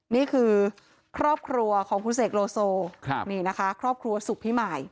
นี่คือครอบครัวของคุณเสกโลโซนี่นะคะครอบครัวสุขพิมาย